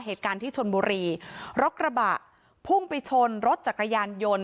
เหตุการณ์ที่ชนบุรีรถกระบะพุ่งไปชนรถจักรยานยนต์